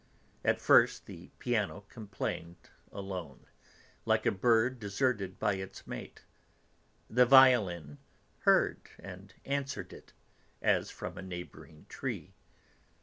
At first the piano complained alone, like a bird deserted by its mate; the violin heard and answered it, as from a neighbouring tree.